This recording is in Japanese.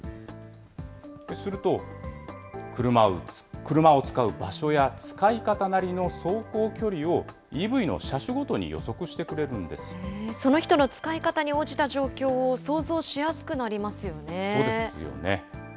すると、車を使う場所や使い方なりの走行距離をＥＶの車種ごとに予測してその人の使い方に応じた状況そうですよね。